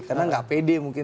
karena nggak pede mungkin